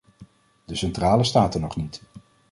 De centrale staat er nog niet.